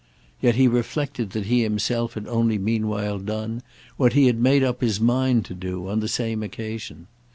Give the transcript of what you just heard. Yet he reflected that he himself had only meanwhile done what he had made up his mind to on the same occasion.